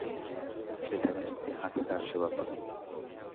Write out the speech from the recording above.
সেখানে, একটি হাতি তার সেবা করেন।